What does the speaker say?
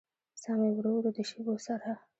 ساه مې ورو ورو د شېبو سره